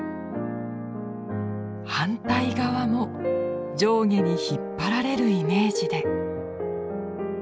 反対側も上下に引っ張られるイメージで。